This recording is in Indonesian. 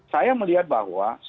saya melihat bahwa